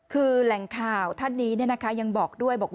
คือแหล่งคาวท่านนี้ยังบอกด้วย